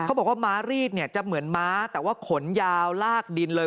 บอกว่าม้ารีดเนี่ยจะเหมือนม้าแต่ว่าขนยาวลากดินเลย